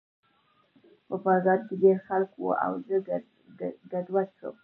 په بازار کې ډېر خلک وو او زه ګډوډ شوم